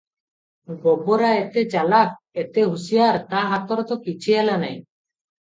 ଗୋବରା ଏତେ ଚାଲାଖ, ଏତେ ହୁସିଆର, ତା ହାତରେ ତ କିଛି ହେଲା ନାହିଁ ।